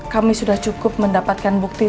kami sudah cukup mendapatkan bukti